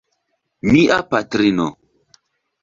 Mia patrino.